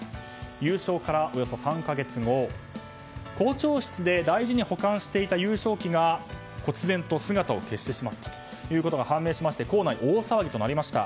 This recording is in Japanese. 優勝からおよそ３か月後校長室で大事に保管していた優勝旗が忽然と姿を消してしまったということが判明して校内、大騒ぎとなりました。